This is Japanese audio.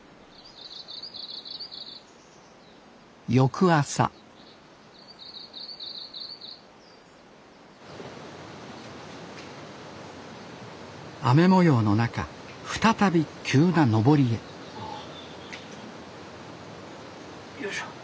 翌朝雨もようの中再び急な登りへよいしょ。